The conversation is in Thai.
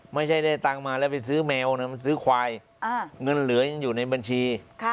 ไม่ใช่ได้ตังค์มาแล้วไปซื้อแมวนะซื้อควายเงินเหลือยังอยู่ในบัญชี